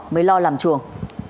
mới lo làm chuồng